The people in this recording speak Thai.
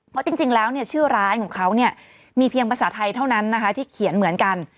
เพราะจริงแล้วชื่อร้านของเขามีเพียงภาษาไทยเท่านั้นนะคะที่เขียนเหมือนกัน